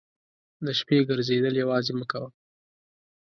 د شپې ګرځېدل یوازې مه کوه.